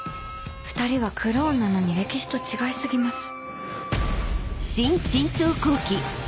２人はクローンなのに歴史と違い過ぎます